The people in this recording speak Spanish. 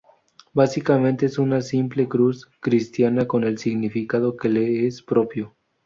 Básicamente es una simple cruz cristiana con el significado que le es propio.